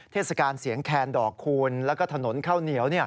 เทศกาลเสียงแคนดอกคูณแล้วก็ถนนข้าวเหนียว